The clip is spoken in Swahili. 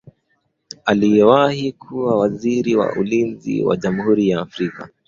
aliyewahii kuwa waziri wa ulinzi wa jamhuri ya afrika